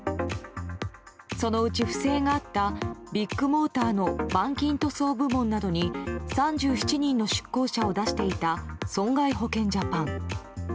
そのうち不正があったビッグモーターの板金塗装部門などに３７人の出向者を出していた損害保険ジャパン。